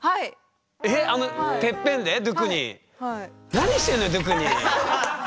何してるのドゥクニ。